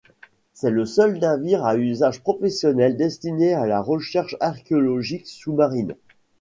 C'est le seul navire à usage professionnel destiné à la recherche archéologique sous-marine.